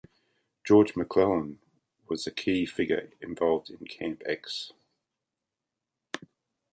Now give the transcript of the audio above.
George McClellan was a key figure involved in Camp X.